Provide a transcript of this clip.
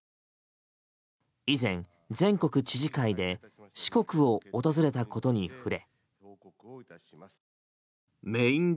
以前、全国知事会で四国を訪れたことに触れ。